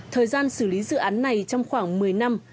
thời gian xử lý dự án này trong khoảng một mươi năm